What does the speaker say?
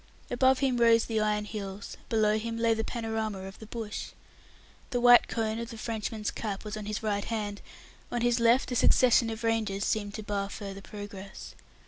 Above him rose the iron hills, below him lay the panorama of the bush. The white cone of the Frenchman's Cap was on his right hand, on his left a succession of ranges seemed to bar further progress.